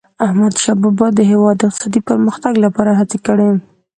احمدشاه بابا د هیواد د اقتصادي پرمختګ لپاره هڅي کړي.